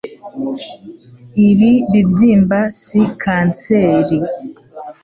Ibi bibyimba si kanseri